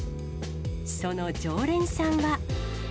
その常連さんは。